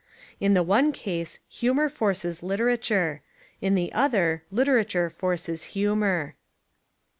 In the one case humour forces literature. In the other literature forces hu mour.